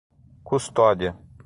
Custódia